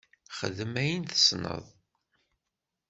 Xdem ayen i tessneḍ.